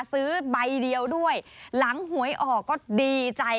ซื้อใบเดียวด้วยหลังหวยออกก็ดีใจ